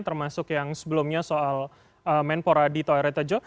termasuk yang sebelumnya soal menporadi toereta jo